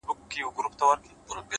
پرېولئ – په دې ترخو اوبو مو ځان مبارک!